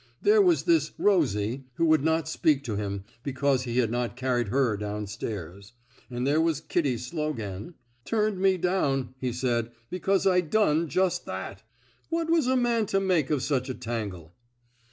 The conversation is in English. There was this Rosie *' who would not speak to him because he had not carried her down stairs; and there was Kitty Slogan ^* turned me down,*' he said, because I done just that/' What was a man to make of such a tangle?